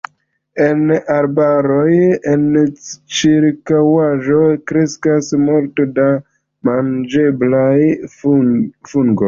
En arbaroj en ĉirkaŭaĵo kreskas multo da manĝeblaj fungoj.